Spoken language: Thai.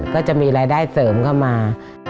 ก็จะมีรายได้เสริมเข้ามา